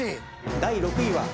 第６位は。